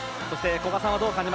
古賀さん。